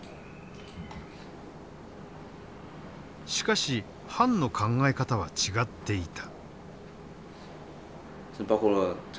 しかし潘の考え方は違っていた。